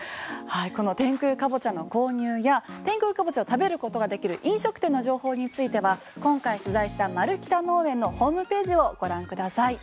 この天空かぼちゃの購入や天空かぼちゃを食べることができる飲食店の情報については今回取材したマル北農園のホームページをご覧ください。